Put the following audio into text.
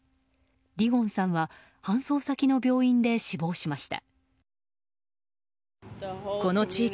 リゴンさんは搬送先の病院で死亡しました。